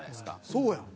そうやん。